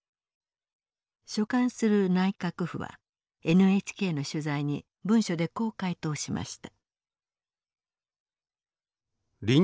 所管する内閣府はＮＨＫの取材に文書でこう回答しました。